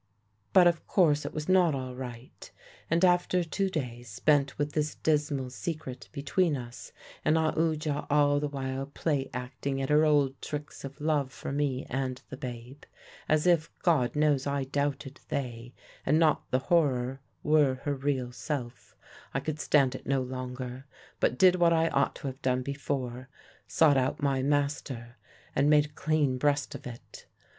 "But of course it was not all right; and after two days spent with this dismal secret between us, and Aoodya all the while play acting at her old tricks of love for me and the babe as if, God knows, I doubted they, and not the horror, were her real self I could stand it no longer, but did what I ought to have done before; sought out my master and made a clean breast of it.